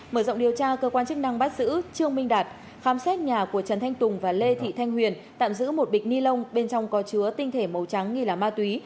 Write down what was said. mở rộng điều tra cơ quan chức năng bắt giữ trương minh đạt khám xét nhà của trần thanh tùng và lê thị thanh huyền tạm giữ một bịch ni lông bên trong có chứa tinh thể màu trắng nghi là ma túy